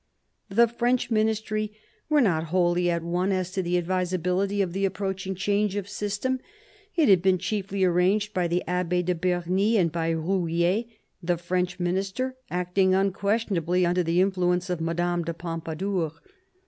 The French ministry were not wholly at one as to the advisability of the approaching change of system. It had been chiefly arranged by the Abbe de Bernis, and by Rouille* the foreign minister, acting unquestion ably under the influence of Madame de Pompadour.